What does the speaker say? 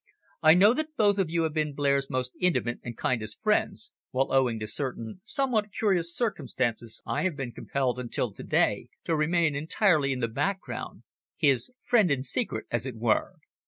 I know that both of you have been Blair's most intimate and kindest friends, while owing to certain somewhat curious circumstances I have been compelled, until to day, to remain entirely in the background, his friend in secret as it were.